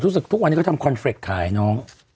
รู้สึกทุกวันนี้เขาทำคอนเฟรคค่ะไอ้น้อง